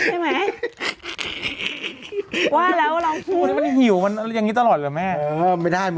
ใช่ไหมว่าแล้วเราหิวมันอย่างงี้ตลอดเหรอแม่เออไม่ได้